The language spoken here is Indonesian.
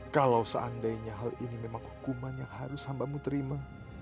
kalau seandainya hal ini memang hukuman yang harus hambamu terima